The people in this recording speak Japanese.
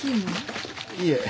いえ。